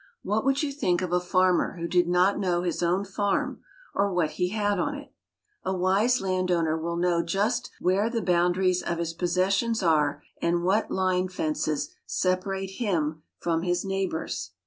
What would you think of a farmer who did not know his own farm, or what he had on it? A wise landowner will know just where the boundaries of his possessions are and what line fences separate him from his neighbors.